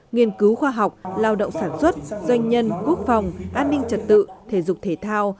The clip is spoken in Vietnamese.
nghiên cứu khoa học lao động sản xuất doanh nhân quốc phòng an ninh trật tự thể dục thể thao